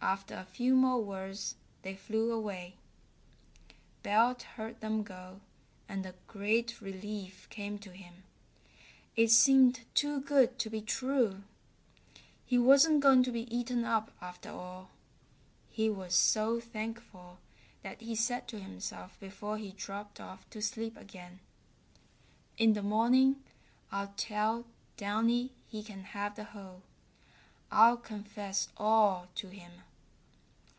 After a few more words they flew away. Belt heard them go, and a great relief came to him. It seemed too good to be true. He wasn't going to be eaten up after all. He was so thankful that he said to himself before he dropped off to sleep again, "In the morning I'll tell Downy he can have the hole. I'll confess all to him."